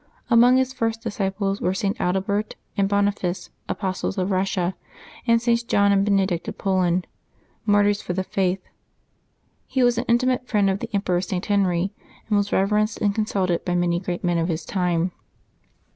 Among his first dis ciples were Sts. Adalbert and Boniface, apostles of Eussia, and Sts. John and Benedict of Poland, martyrs for the faith. He was an intimate friend of the Emperor St. Henry, and was reverenced and consulted by many great men of his time.